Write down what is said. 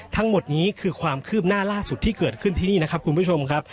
ทั้งหมดนี้คือความคืบหน้าล่าสุดที่เกิดขึ้นที่นี่นะครับคุณผู้ชมครับ